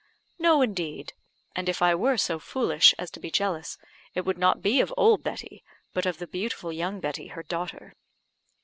"No, indeed; and if I were so foolish as to be jealous, it would not be of old Betty, but of the beautiful young Betty, her daughter."